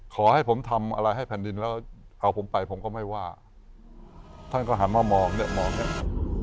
ขอให้ผมทำอะไรให้แผ่นดินแล้วเอาผมไปผมก็ไม่ว่าท่านก็หันมามองเนี่ยมองเนี่ย